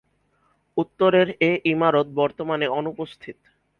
উত্তরের এ ইমারত বর্তমানে অনুপস্থিত।